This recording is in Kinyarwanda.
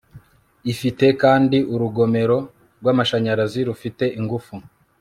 ifite kandi urugomero rw'amashanyarazi rufite ingufu